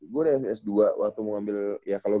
gue udah s dua waktu mau ngambil ya kalau